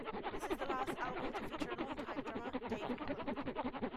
This is the last album to feature long-time drummer Dave Holland.